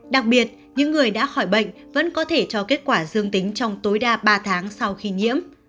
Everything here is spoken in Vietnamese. đặc biệt những người đã khỏi bệnh vẫn có thể cho kết quả dương tính trong tối đa ba tháng sau khi nhiễm